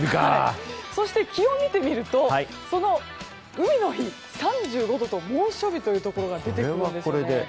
そして気温を見てみると海の日、３５度と猛暑日というところが出ているんです。